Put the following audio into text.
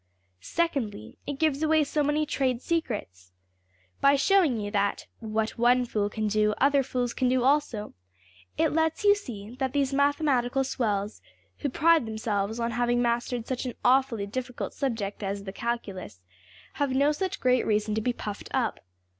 Secondly, it gives away so many trade secrets. By showing you that \emph{what one fool can do, other fools can do also}, it lets you see that these mathematical swells, who pride themselves on having mastered such an awfully difficult subject as the calculus, have no such great reason to be puffed up.